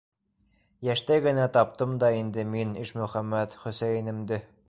Йәштәй генә таптым да инде мин, Ишмөхәмәт, Хөсәйенемде.